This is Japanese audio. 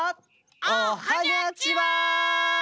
おはにゃちは！